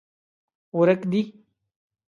ورک دي